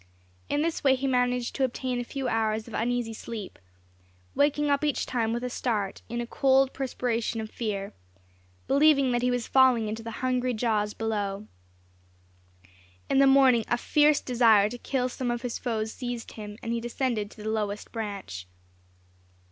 In this way he managed to obtain a few hours of uneasy sleep, waking up each time with a start, in a cold perspiration of fear, believing that he was falling into the hungry jaws below. In the morning a fierce desire to kill some of his foes seized him, and he descended to the lowest branch.